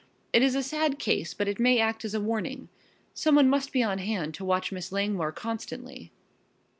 It is a sad case but it may act as a warning. Someone must be on hand to watch Miss Langmore constantly."